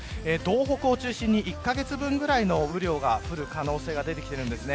道北を中心に１カ月ぐらいの雨量が降る可能性が出てきています。